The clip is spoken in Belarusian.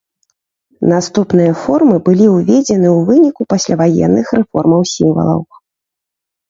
Наступныя формы былі ўведзены ў выніку пасляваенных рэформаў сімвалаў.